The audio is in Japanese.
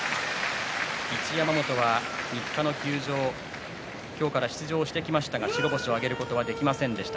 一山本は３日の休場、今日から出場してきましたが白星を挙げることはできませんでした。